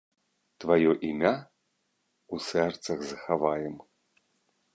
Тваё імя ў сэрцах захаваем.